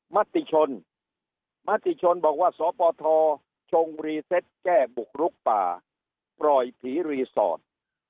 มติชนมติชนบอกว่าสปทชงรีเซตแก้บุกลุกป่าปล่อยผีรีสอร์ท